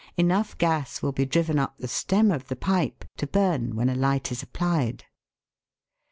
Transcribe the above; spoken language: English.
Enough gas will be driven up the stem of the pipe to burn when a light is applied.